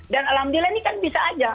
dan alhamdulillah ini kan bisa aja